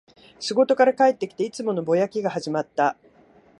仕事から帰ってきて、いつものぼやきが始まった